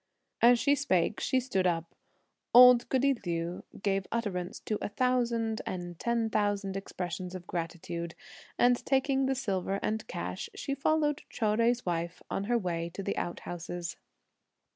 As she spake, she stood up. Old goody Liu gave utterance to a thousand and ten thousand expressions of gratitude, and taking the silver and cash, she followed Chou Jui's wife on her way to the out houses.